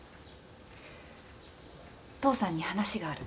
父さんに話がある。